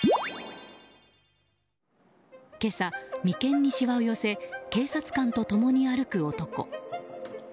今朝、眉間にしわを寄せ警察官と共に歩く男。